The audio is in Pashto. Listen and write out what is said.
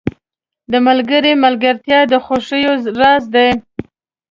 • د ملګري ملګرتیا د خوښیو راز دی.